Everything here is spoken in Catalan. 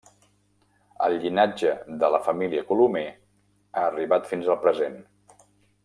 El llinatge de la família Colomer ha arribat fins al present.